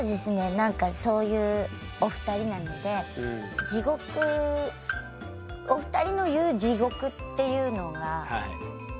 何かそういうお二人なので地獄お二人の言う地獄っていうのがすごく気になりますね。